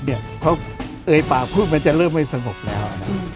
เพราะไอ้ป่าพูดมันจะเริ่มไม่สงบแล้ว